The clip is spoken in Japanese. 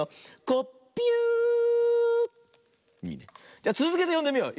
じゃつづけてよんでみよう。